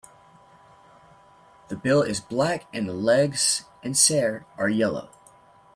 The bill is black and the legs and cere are yellow.